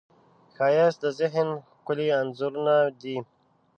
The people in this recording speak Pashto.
ښایست د ذهن ښکلي انځورونه دي